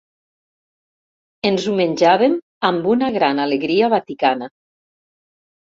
Ens ho menjàvem amb una gran alegria vaticana.